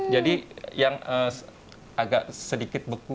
jadi yang agak sedikit beku